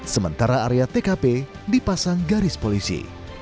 sementara area tkp dipasang garis polisi